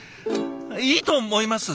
いいと思います